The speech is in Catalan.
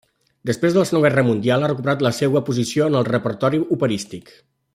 Després de la Segona Guerra Mundial ha recuperat la seua posició en el repertori operístic.